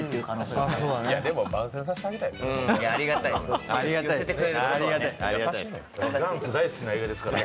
でも番宣させてあげたいですね。